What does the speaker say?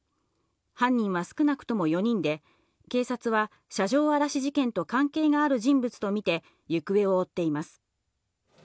犯人は少なくとも４人で、警察は車上荒らし事件と関係がある人物とみて行方を追っています。